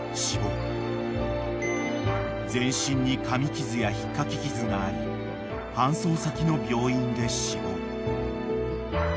［全身にかみ傷や引っかき傷があり搬送先の病院で死亡］